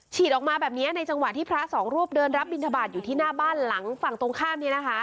ฉีดออกมาแบบนี้ในจังหวะที่พระสองรูปเดินรับบินทบาทอยู่ที่หน้าบ้านหลังฝั่งตรงข้ามนี้นะคะ